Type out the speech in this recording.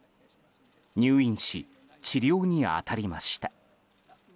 入院し、治療に当たりました。